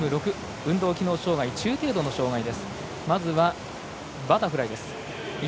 運動機能障がい中程度の障がい。